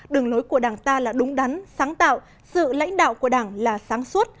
đường lối của đảng ta là đúng đắn sáng tạo sự lãnh đạo của đảng là sáng suốt